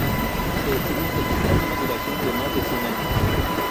Se estima que tendrá una duración de más de cien años.